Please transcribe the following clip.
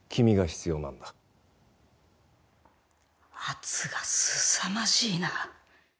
圧がすさまじいな。